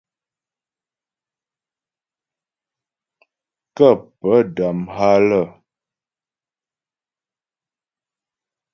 Kə́ pə́ dam há lə́.